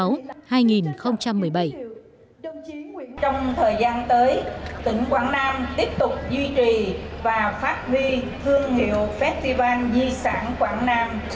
trong thời gian tới tỉnh quảng nam tiếp tục duy trì và phát huy thương hiệu festival di sản quảng nam